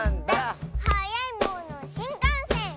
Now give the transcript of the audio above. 「はやいものしんかんせん！」